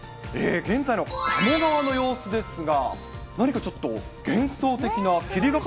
現在の鴨川の様子ですが、何かちょっと、神秘的。